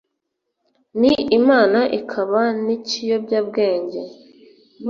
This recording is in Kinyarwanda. ni imana ikaba n’ikiyobyabwenge